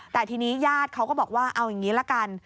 แต่ทีนี้ญาติเขาก็บอกว่าเอาอย่างนี้ละกัน